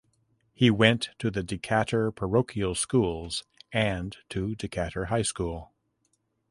He went to the Decatur parochial schools and to Decatur High School.